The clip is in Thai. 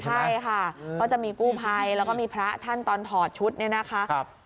ใช่ค่ะเขาจะมีกู้ภัยแล้วก็มีพระท่านตอนถอดชุดเนี่ยนะคะ